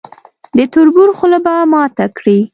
د تربور خوله به ماته کړي.